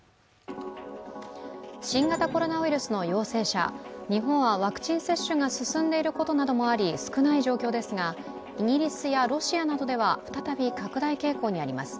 新型コロナウイルスの陽性者、日本はワクチン接種が進んでいることもあり少ない状況ですが、イギリスやロシアなどでは再び拡大傾向にあります。